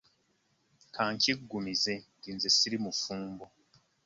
Ka nkiggumize nti nze ssiri mufumbo.